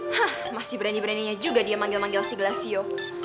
hah masih berani beraninya juga dia manggil manggil siglasio